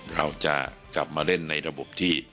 เราจะกลับมาเล่นในระบบที่